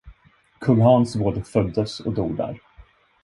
Kung Hans både föddes och dog där.